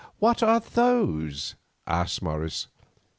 "What are those?" asked Morris.